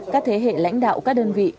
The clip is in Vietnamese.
các thế hệ lãnh đạo các đơn vị